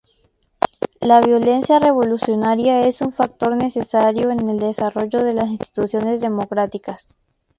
La violencia revolucionaria es un factor necesario en el desarrollo de las instituciones democráticas.